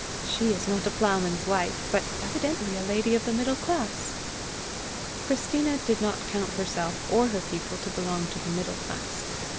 She is not a ploughman's wife, but evidently a lady of the middle class." Christina did not count herself or her people to belong to the middle class.